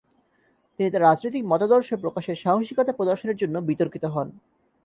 তিনি তার রাজনৈতিক মতাদর্শ প্রকাশের সাহসিকতা প্রদর্শনের জন্য বিতর্কিত হন।